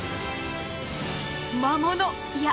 魔物いや